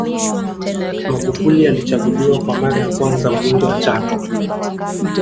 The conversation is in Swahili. Magufuli alichaguliwa kwa mara ya kwanza Mbunge wa Chato